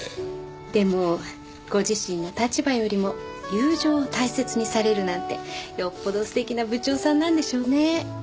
でもご自身の立場よりも友情を大切にされるなんてよっぽど素敵な部長さんなんでしょうね。